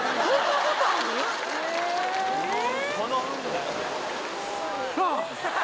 この運だよね。